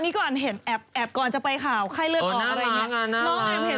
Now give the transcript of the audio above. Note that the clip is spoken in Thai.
นี่ก่อนเห็นแอบก่อนจะไปข่าวไข้เลือดออกอะไรรึยังคะม้องแอบเห็นภาพนี้ค่ะวันนี้เลย